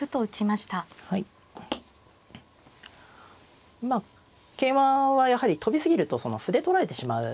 まあ桂馬はやはり跳び過ぎると歩で取られてしまう。